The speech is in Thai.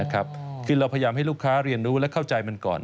คือเราพยายามให้ลูกค้าเรียนรู้และเข้าใจมันก่อน